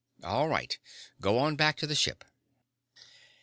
"All right. Go on back to the ship."